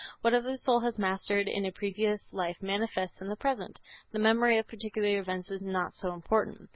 Whatever the soul has mastered in a previous life manifests in the present. The memory of particular events is not so important.